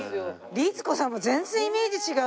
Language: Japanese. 律子さんも全然イメージ違う。